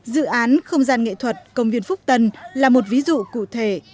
dự án không gian nghệ thuật công viên phúc tân là một ví dụ cụ thể